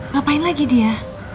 ngapain lagi dia